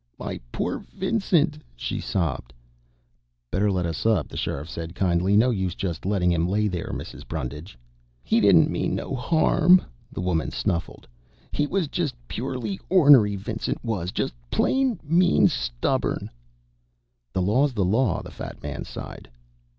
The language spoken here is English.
"My poor Vincent," she sobbed. "Better let us up," the Sheriff said kindly. "No use just lettin' him lay there, Mrs. Brundage." "He didn't mean no harm," the woman snuffled. "He was just purely ornery, Vincent was. Just plain mean stubborn." "The law's the law," the fat man sighed.